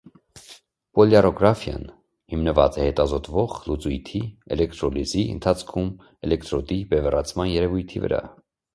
Պոլյարոգրաֆիան հիմնված է հետազոտվող լուծույթի էլեկտրոլիզի ընթացքում էլեկտրոդի բևեռացման երևույթի վրա։